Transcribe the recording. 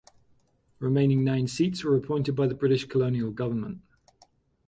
The remaining nine seats were appointed by the British colonial government.